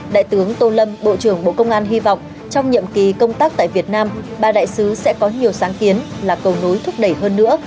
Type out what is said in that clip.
đại tướng tô lâm bộ trưởng bộ công an hy vọng trong nhiệm kỳ công tác tại việt nam ba đại sứ sẽ có nhiều sáng kiến là cầu nối thúc đẩy hơn nữa